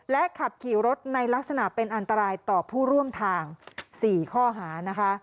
ขับขี่รถในลักษณะเป็นอันตรายต่อผู้ร่วมทาง๔ข้อหานะคะ